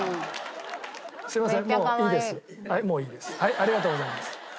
ありがとうございます。